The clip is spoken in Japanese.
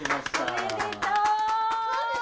おめでとう！